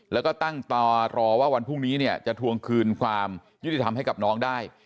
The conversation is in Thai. แล้วก็ตั้งตารอว่าวันพรุ่งนี้เนี่ยจะทวงคืนความยุติธรรมให้กับน้องได้